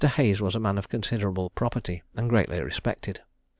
Hayes was a man of considerable property, and greatly respected.